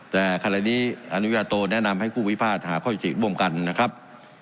แต่ขณะนี้อนุญาโตแนะนำให้ผู้พิพาทหาข้อยุติร่วมกันนะครับ